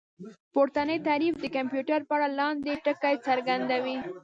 پورتنی تعريف د کمپيوټر په اړه لاندې ټکي څرګندوي